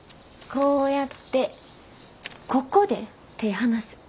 こうやってここで手ぇ離す。